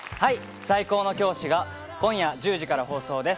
『最高の教師』が今夜１０時から放送です。